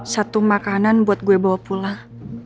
satu makanan buat gue bawa pulang